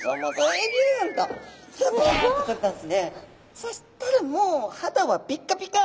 そしたらもう肌はピッカピカ！